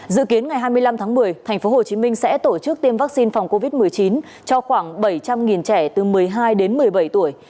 dự kiến ngày hai mươi năm tháng một mươi tp hcm sẽ tổ chức tiêm vaccine phòng covid một mươi chín cho khoảng bảy trăm linh trẻ từ một mươi hai đến một mươi bảy tuổi